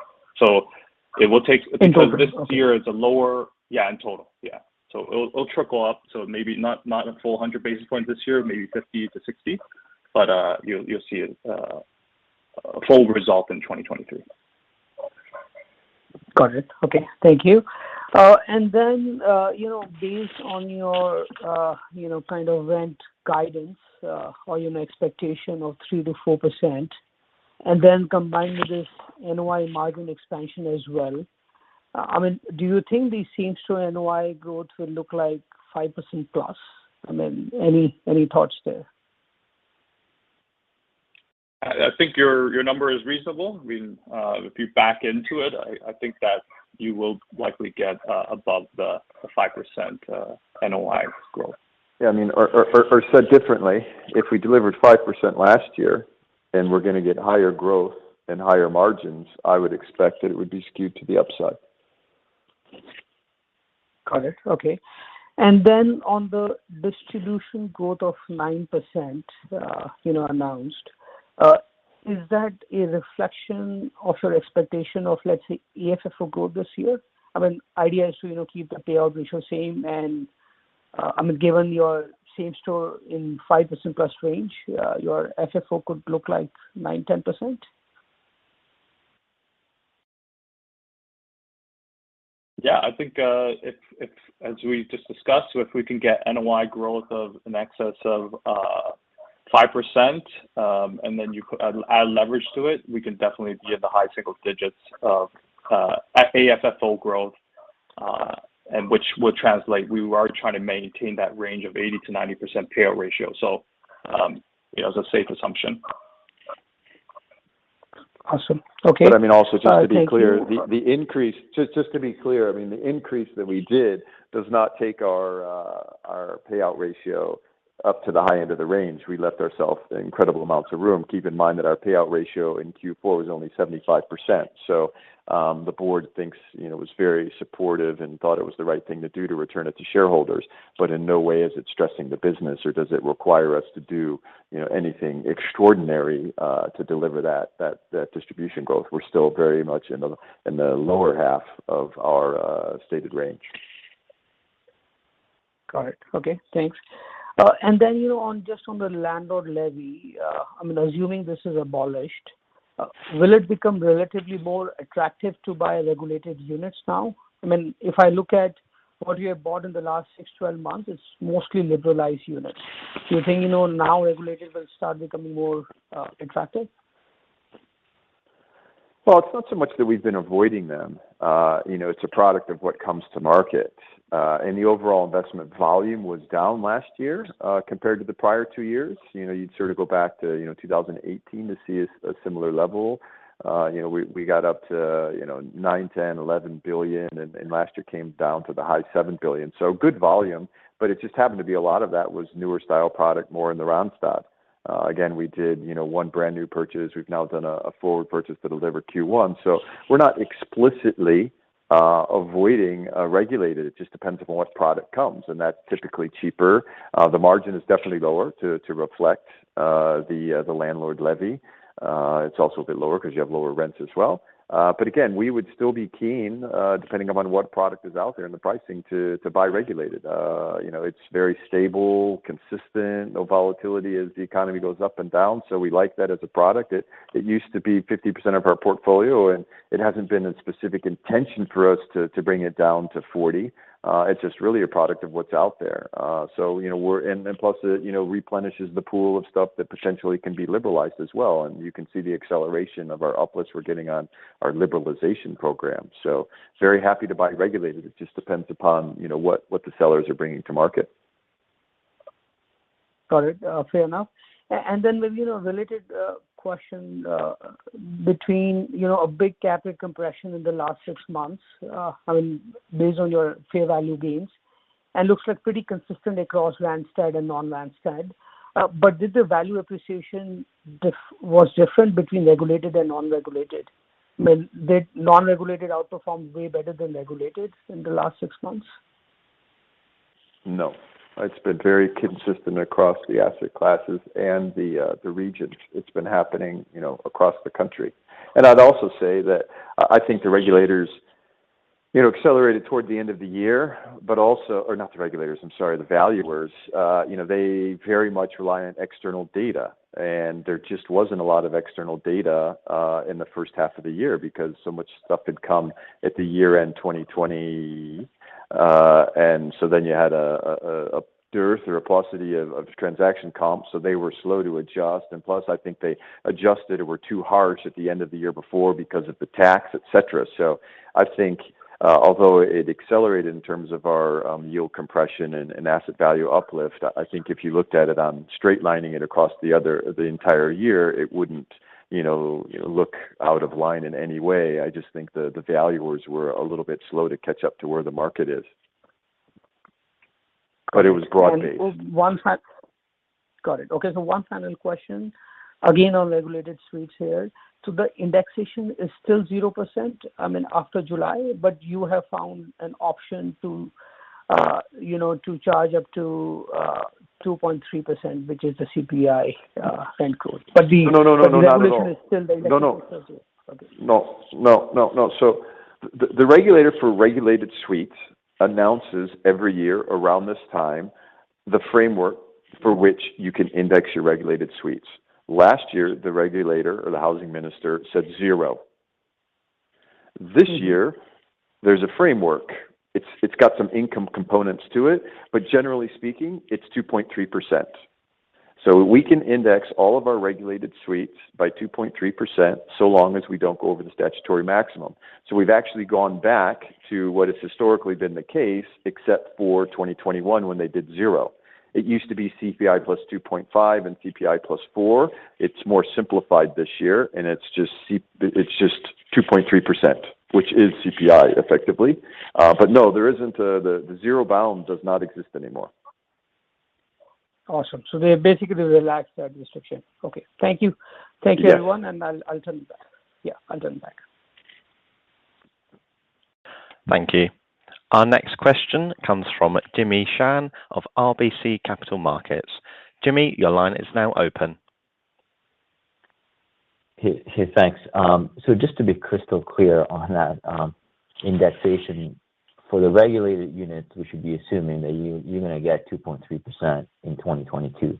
It will take- In total. Okay. Because this year is lower in total. It'll trickle up, so maybe not a full 100 basis points this year, maybe 50–60, but you'll see a full result in 2023. Got it. Okay. Thank you. You know, based on your, you know, kind of rent guidance, or, you know, expectation of 3%–4%, and then combined with this NOI margin expansion as well, I mean, do you think the same-store NOI growth will look like 5%+? I mean, any thoughts there? I think your number is reasonable. I mean, if you back into it, I think that you will likely get above the 5% NOI growth. Yeah. I mean, or said differently, if we delivered 5% last year and we're going to get higher growth and higher margins, I would expect that it would be skewed to the upside. Got it. Okay. Then on the distribution growth of 9%, you know, announced, is that a reflection of your expectation of, let's say, AFFO growth this year? I mean, idea is to, you know, keep the payout ratio same and, I mean, given your same-store in 5%+ range, your FFO could look like 9%-10%. Yeah. I think, if as we just discussed, if we can get NOI growth of in excess of 5%, and then you can add leverage to it, we can definitely be at the high single digits of AFFO growth, which would translate. We are trying to maintain that range of 80%–90% payout ratio. You know, it's a safe assumption. Awesome. Okay. I mean, also just to be clear. Thank you. The increase. Just to be clear, I mean, the increase that we did does not take our payout ratio up to the high end of the range. We left ourselves incredible amounts of room. Keep in mind that our payout ratio in Q4 was only 75%. The board thinks, you know, it was very supportive and thought it was the right thing to do to return it to shareholders, but in no way is it stressing the business or does it require us to do, you know, anything extraordinary to deliver that distribution growth. We're still very much in the lower half of our stated range. Got it. Okay, thanks. You know, on the landlord levy, I mean, assuming this is abolished, will it become relatively more attractive to buy regulated units now? I mean, if I look at what you have bought in the last 6-12 months, it's mostly liberalized units. Do you think, you know, now regulated will start becoming more attractive? Well, it's not so much that we've been avoiding them. You know, it's a product of what comes to market. The overall investment volume was down last year, compared to the prior two years. You know, you'd sort of go back to, you know, 2018 to see a similar level. You know, we got up to, you know, 9, 10, 11 billion, and last year came down to the high 7 billion. Good volume, but it just happened to be a lot of that was newer style product, more in the Randstad stuff. Again, we did, you know, one brand new purchase. We've now done a forward purchase to deliver Q1. We're not explicitly avoiding regulated. It just depends upon what product comes, and that's typically cheaper. The margin is definitely lower to reflect the landlord levy. It's also a bit lower 'cause you have lower rents as well. Again, we would still be keen depending upon what product is out there and the pricing to buy regulated. You know, it's very stable, consistent, no volatility as the economy goes up and down. We like that as a product. It used to be 50% of our portfolio, and it hasn't been a specific intention for us to bring it down to 40. It's just really a product of what's out there. You know, plus it replenishes the pool of stuff that potentially can be liberalized as well, and you can see the acceleration of our uplifts we're getting on our liberalization program. Very happy to buy regulated. It just depends upon, you know, what the sellers are bringing to market. Got it. Fair enough. With you know, a related question, between you know, a big cap rate compression in the last six months, I mean, based on your fair value gains and looks like pretty consistent across land side and non-land side. Did the value appreciation was different between regulated and non-regulated? I mean, did non-regulated outperform way better than regulated in the last six months? No. It's been very consistent across the asset classes and the regions. It's been happening, you know, across the country. I'd also say that I think the regulators, you know, accelerated toward the end of the year. Or not the regulators, I'm sorry, the valuers, you know, they very much rely on external data. There just wasn't a lot of external data in the first half of the year because so much stuff had come at the year-end 2020. You had a dearth or a paucity of transaction comps, so they were slow to adjust. Plus, I think they adjusted or were too harsh at the end of the year before because of the tax, etc. I think although it accelerated in terms of our yield compression and asset value uplift, I think if you looked at it on straight-lining it across the entire year, it wouldn't, you know, look out of line in any way. I just think the valuers were a little bit slow to catch up to where the market is. It was broad-based. Got it. Okay, one final question. Again, on regulated suites here. The indexation is still 0%, I mean, after July, but you have found an option to, you know, to charge up to 2.3%, which is the CPI, end quote. But the- No. Not at all. The regulation is still the indexation. No, no. Okay. No, no. The regulator for regulated suites announces every year around this time the framework for which you can index your regulated suites. Last year, the regulator or the housing minister said 0%. This year, there's a framework. It's got some income components to it, but generally speaking, it's 2.3%. We can index all of our regulated suites by 2.3%, so long as we don't go over the statutory maximum. We've actually gone back to what has historically been the case, except for 2021 when they did 0%. It used to be CPI + 2.5% and CPI + 4%. It's more simplified this year, and it's just 2.3%, which is CPI effectively. But no, there isn't a zero bound anymore. Awesome. They basically relaxed that restriction. Okay. Thank you. Yes. Thank you everyone, and I'll turn back. Yeah, I'll turn back. Thank you. Our next question comes from Jimmy Shan of RBC Capital Markets. Jimmy, your line is now open. Hey. Hey, thanks. So just to be crystal clear on that, indexation for the regulated units, we should be assuming that you're going to get 2.3% in 2022?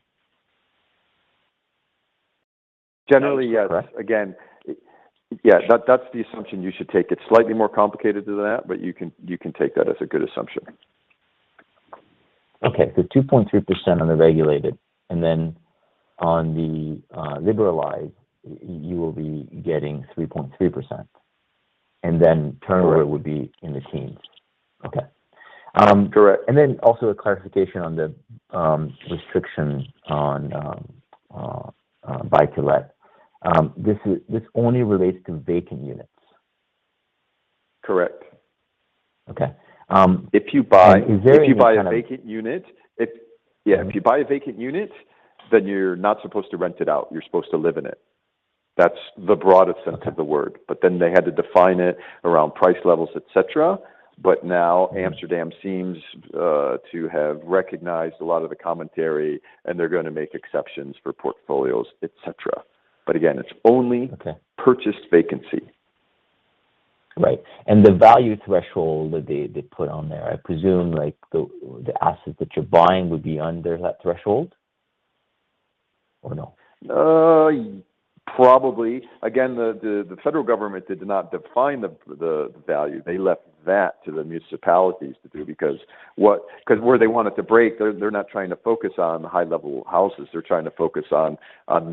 Generally, yes. Is that correct? Again, yeah, that's the assumption you should take. It's slightly more complicated than that, but you can take that as a good assumption. Okay. 2.3% on the regulated, and then on the liberalized, you will be getting 3.3%. Turnaround would be in the teens. Okay. Also a clarification on the restriction on buy-to-let. This only relates to vacant units? Correct. Okay. If you buy. Is there any kind of? If you buy a vacant unit, then you're not supposed to rent it out. You're supposed to live in it. That's the broadest sense of the word. They had to define it around price levels, et cetera. Amsterdam seems to have recognized a lot of the commentary, and they're going to make exceptions for portfolios, et cetera. It's only- Okay purchased vacancy. Right. The value threshold that they put on there, I presume, like, the asset that you're buying would be under that threshold? Or no? Probably. Again, the federal government did not define the value. They left that to the municipalities to do because where they want it to break, they're not trying to focus on the high-level houses. They're trying to focus on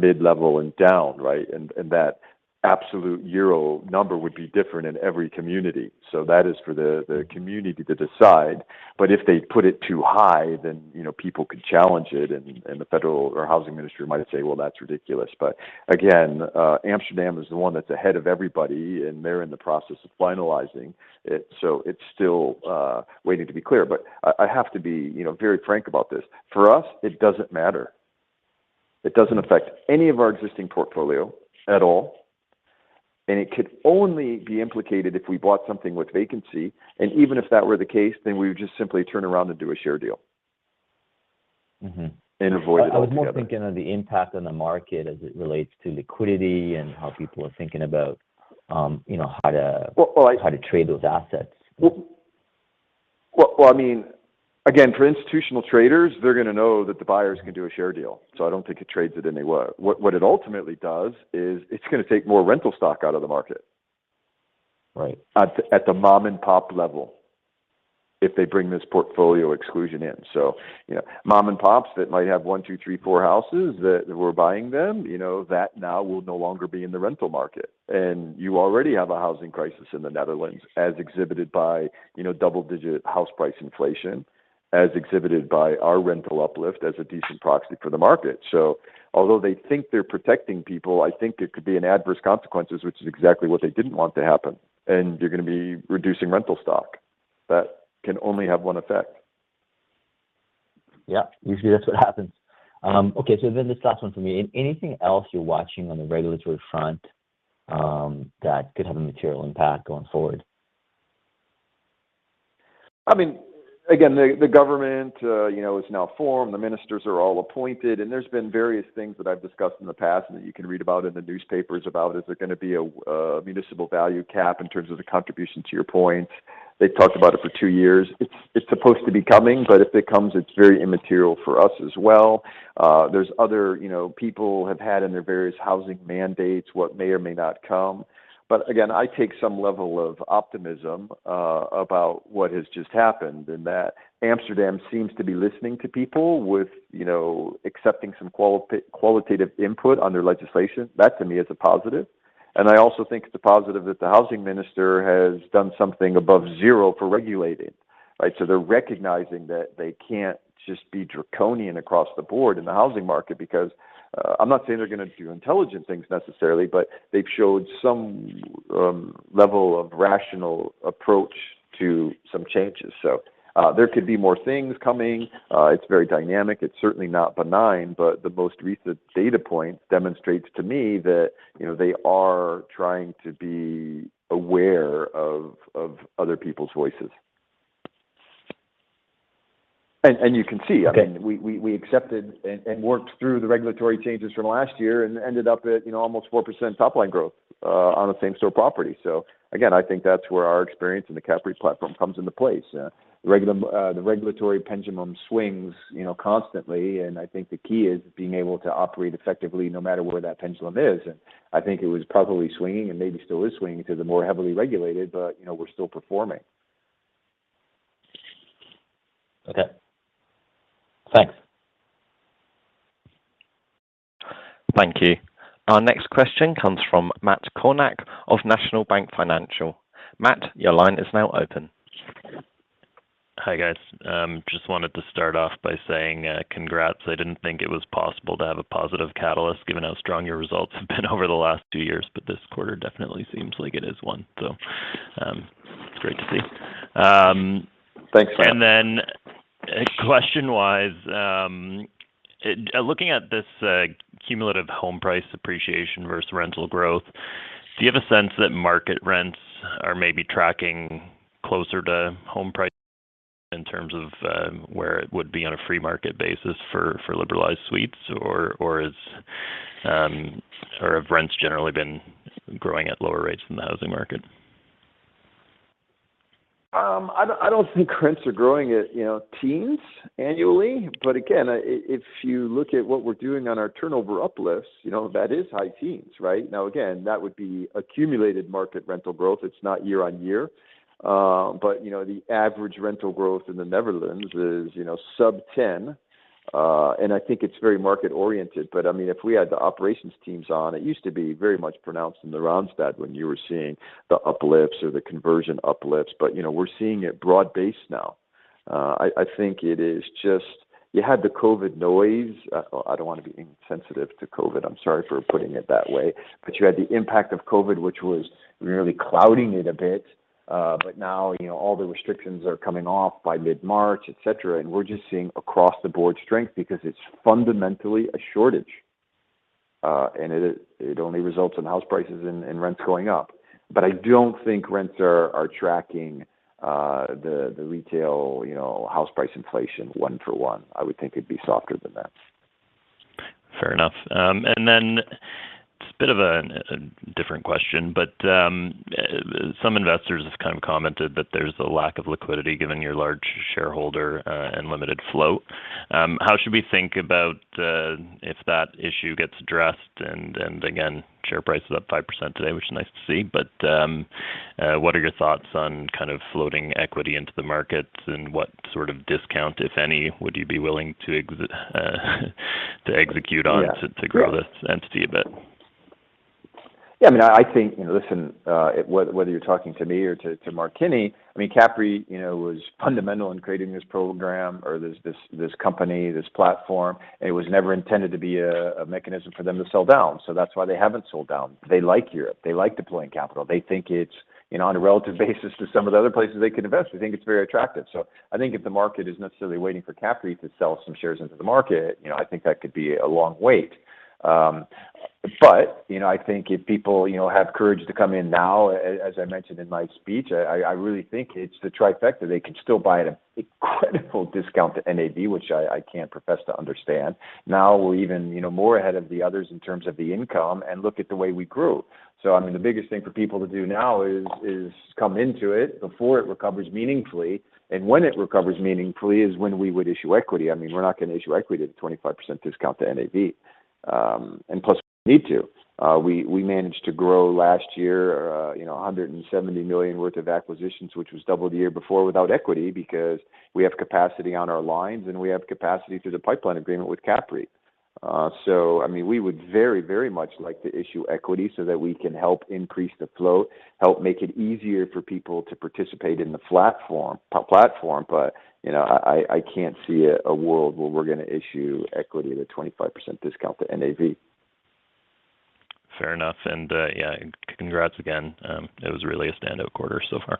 mid-level and down, right? That absolute euro number would be different in every community. That is for the community to decide. But if they put it too high, then, you know, people could challenge it and the federal housing ministry might say, "Well, that's ridiculous." But again, Amsterdam is the one that's ahead of everybody, and they're in the process of finalizing it. So it's still waiting to be clear. But I have to be, you know, very frank about this. For us, it doesn't matter. It doesn't affect any of our existing portfolio at all, and it could only be implicated if we bought something with vacancy. Even if that were the case, then we would just simply turn around and do a share deal. Mm-hmm. Avoid it altogether. I was more thinking of the impact on the market as it relates to liquidity and how people are thinking about, you know, how to Well. How to trade those assets? Well, I mean, again, for institutional traders, they're going to know that the buyers can do a share deal, so I don't think it trades it any way. What it ultimately does is it's going to take more rental stock out of the market. Right. At the mom-and-pop level if they bring this portfolio exclusion in. You know, mom-and-pops that might have one, two, three, four houses that were buying them, you know, that now will no longer be in the rental market. You already have a housing crisis in the Netherlands as exhibited by, you know, double-digit house price inflation, as exhibited by our rental uplift as a decent proxy for the market. Although they think they're protecting people, I think it could be an adverse consequences, which is exactly what they didn't want to happen. You're going to be reducing rental stock. That can only have one effect. Yeah. Usually that's what happens. Okay. This last one for me. Anything else you're watching on the regulatory front, that could have a material impact going forward? I mean, again, the government, you know, is now formed. The ministers are all appointed. There's been various things that I've discussed in the past and that you can read about in the newspapers about is there going to be a WOZ cap in terms of the contribution to rental points? They've talked about it for two years. It's supposed to be coming, but if it comes, it's very immaterial for us as well. There's other. You know, people have had in their various housing mandates what may or may not come. Again, I take some level of optimism about what has just happened, and that Amsterdam seems to be listening to people with, you know, accepting some qualitative input on their legislation. That, to me, is a positive. I also think it's a positive that the housing minister has done something above zero for regulated, right? They're recognizing that they can't just be draconian across the board in the housing market because, I'm not saying they're going to do intelligent things necessarily, but they've showed some level of rational approach to some changes. There could be more things coming. It's very dynamic. It's certainly not benign. The most recent data point demonstrates to me that, you know, they are trying to be aware of other people's voices. You can see. Okay. I mean, we accepted and worked through the regulatory changes from last year and ended up at, you know, almost 4% top line growth on a same-store property. Again, I think that's where our experience in the CAPREIT platform comes into place. The regulatory pendulum swings, you know, constantly, and I think the key is being able to operate effectively no matter where that pendulum is. I think it was probably swinging and maybe still is swinging because they're more heavily regulated, but, you know, we're still performing. Okay. Thanks. Thank you. Our next question comes from Matt Kornack of National Bank Financial. Matt, your line is now open. Hi, guys. Just wanted to start off by saying, congrats. I didn't think it was possible to have a positive catalyst given how strong your results have been over the last two years, but this quarter definitely seems like it is one. That's great to see. Thanks. Question-wise, looking at this cumulative home price appreciation versus rental growth, do you have a sense that market rents are maybe tracking closer to home price in terms of where it would be on a free market basis for liberalized suites? Or have rents generally been growing at lower rates than the housing market? I don't think rents are growing at, you know, teens annually. Again, if you look at what we're doing on our turnover uplifts, you know, that is high teens right? Now, again, that would be accumulated market rental growth. It's not year on year. You know, the average rental growth in the Netherlands is, you know, sub-ten. I think it's very market-oriented. I mean, if we had the operations teams on, it used to be very much pronounced in the Randstad when you were seeing the uplifts or the conversion uplifts. You know, we're seeing it broad-based now. I think it is just. You had the COVID noise. I don't want to be insensitive to COVID. I'm sorry for putting it that way. You had the impact of COVID, which was really clouding it a bit. Now, you know, all the restrictions are coming off by mid-March, et cetera. We're just seeing across-the-board strength because it's fundamentally a shortage. It only results in house prices and rents going up. I don't think rents are tracking the retail, you know, house price inflation one for one. I would think it'd be softer than that. Fair enough. It's a bit of a different question, but some investors have kind of commented that there's a lack of liquidity given your large shareholder and limited flow. How should we think about if that issue gets addressed? Again, share price is up 5% today, which is nice to see. What are your thoughts on kind of floating equity into the markets and what sort of discount, if any, would you be willing to execute on- Yeah. Sure to grow this entity a bit? Yeah. I mean, I think, you know, listen, whether you're talking to me or to Mark Kenney. I mean, CAPREIT, you know, was fundamental in creating this program or this company, this platform. It was never intended to be a mechanism for them to sell down. So that's why they haven't sold down. They like Europe. They like deploying capital. They think it's, you know, on a relative basis to some of the other places they can invest. We think it's very attractive. So I think if the market is necessarily waiting for CAPREIT to sell some shares into the market, you know, I think that could be a long wait. You know, I think if people, you know, have courage to come in now, as I mentioned in my speech, I really think it's the trifecta. They can still buy at an incredible discount to NAV, which I can't profess to understand. Now we're even, you know, more ahead of the others in terms of the income and look at the way we grew. I mean, the biggest thing for people to do now is come into it before it recovers meaningfully. When it recovers meaningfully is when we would issue equity. I mean, we're not going to issue equity at a 25% discount to NAV. We managed to grow last year, you know, 170 million worth of acquisitions, which was double the year before without equity because we have capacity on our lines and we have capacity through the pipeline agreement with CAPREIT. I mean, we would very, very much like to issue equity so that we can help increase the flow, help make it easier for people to participate in the platform. You know, I can't see a world where we're going to issue equity at a 25% discount to NAV. Fair enough. Yeah, congrats again. It was really a standout quarter so far.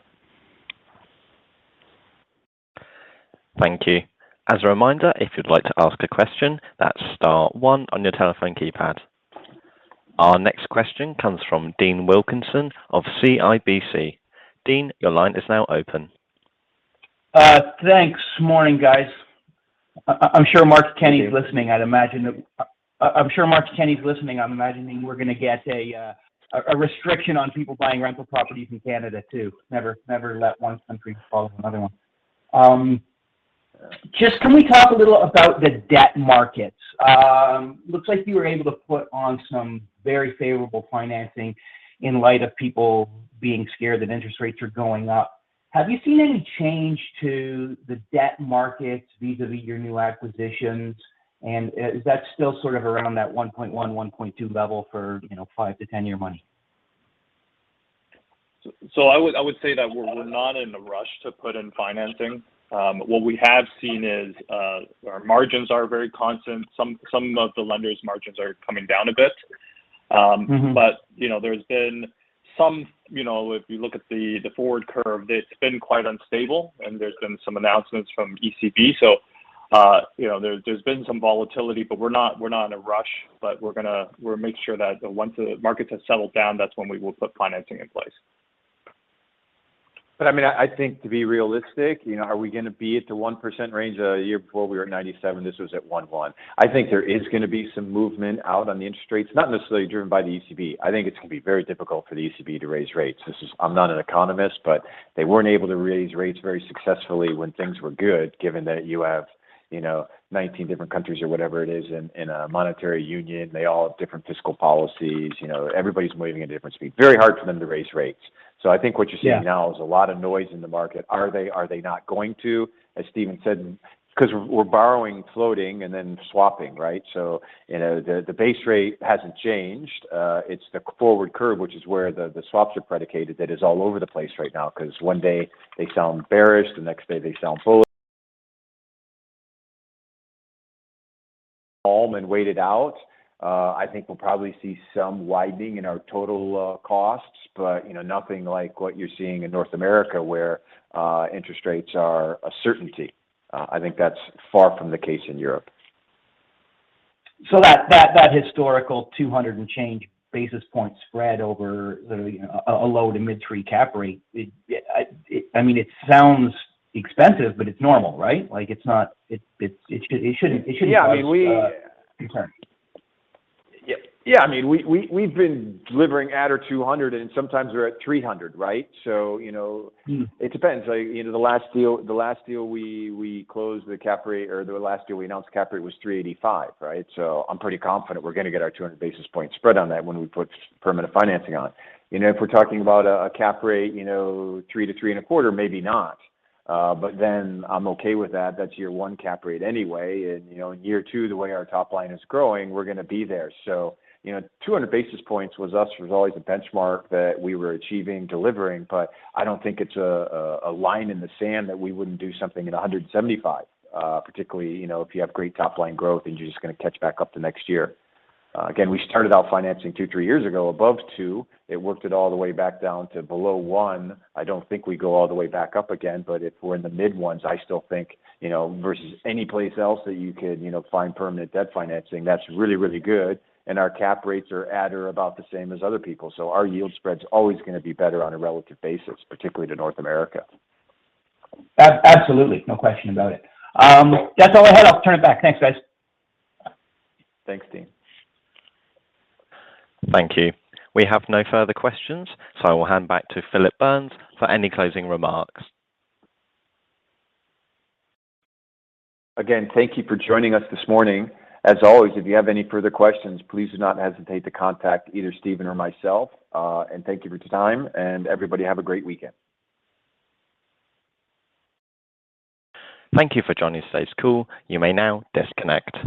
Thank you. As a reminder, if you'd like to ask a question, that's star one on your telephone keypad. Our next question comes from Dean Wilkinson of CIBC. Dean, your line is now open. Thanks. Morning, guys. I'm sure Mark Kenney. Thank you. is listening. I'd imagine that I'm sure Mark Kenney is listening. I'm imagining we're going to get a restriction on people buying rental properties in Canada too. Never let one country follow another one. Can we talk a little about the debt markets? Looks like you were able to put on some very favorable financing in light of people being scared that interest rates are going up. Have you seen any change to the debt markets vis-à-vis your new acquisitions? Is that still sort of around that 1.1.2 level for, you know, 5-10 year money? I would say that we're not in a rush to put in financing. What we have seen is our margins are very constant. Some of the lenders' margins are coming down a bit. Mm-hmm You know, there's been some you know if you look at the forward curve, it's been quite unstable and there's been some announcements from ECB. You know, there's been some volatility, but we're not in a rush. We'll make sure that once the markets have settled down, that's when we will put financing in place. I mean, I think to be realistic, you know, are we going to be at the 1% range a year before we were at 97? This was at 1.1. I think there is going to be some movement out on the interest rates, not necessarily driven by the ECB. I think it's going to be very difficult for the ECB to raise rates. This is. I'm not an economist, but they weren't able to raise rates very successfully when things were good, given that you have, you know, 19 different countries or whatever it is in a monetary union. They all have different fiscal policies. You know, everybody's moving at a different speed. Very hard for them to raise rates. I think what you're seeing now. Yeah is a lot of noise in the market. Are they not going to, as Stephen said, because we're borrowing, floating and then swapping, right? You know, the base rate hasn't changed. It's the forward curve, which is where the swaps are predicated that is all over the place right now, because one day they sound bearish, the next day they sound bullish. Calm and wait it out. I think we'll probably see some widening in our total costs, but you know, nothing like what you're seeing in North America where interest rates are a certainty. I think that's far from the case in Europe. That historical 200-and-change basis point spread over literally a low- to mid-3% cap rate. I mean, it sounds expensive, but it's normal, right? Like it's not. It shouldn't cause Yeah. I mean, Okay. Yeah. I mean, we've been delivering at or 200 bps, and sometimes we're at 300 bps, right? You know. Mm. It depends. Like, you know, the last deal we closed the cap rate. Or the last deal we announced cap rate was 3.85%, right? I'm pretty confident we're going to get our 200 basis point spread on that when we put permanent financing on. You know, if we're talking about a cap rate, you know, 3%-3.25%, maybe not. But then I'm okay with that. That's year one cap rate anyway, and you know, in year two, the way our top line is growing, we're going to be there. You know, 200 basis points was ours, always a benchmark that we were achieving, delivering. I don't think it's a line in the sand that we wouldn't do something at 175 bps, particularly, you know, if you have great top-line growth and you're just going to catch back up the next year. Again, we started out financing two to three years ago above 2%. It worked it all the way back down to below 1%. I don't think we go all the way back up again, but if we're in the mid-1s, I still think, you know, versus any place else that you could, you know, find permanent debt financing, that's really, really good, and our cap rates are at or about the same as other people. Our yield spread's always going to be better on a relative basis, particularly to North America. Absolutely. No question about it. That's all I had. I'll turn it back. Thanks, guys. Thanks, Dean. Thank you. We have no further questions, so I will hand back to Phillip Burns for any closing remarks. Again, thank you for joining us this morning. As always, if you have any further questions, please do not hesitate to contact either Stephen or myself. Thank you for your time, and everybody, have a great weekend. Thank you for joining today's call. You may now disconnect.